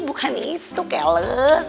bukan itu kele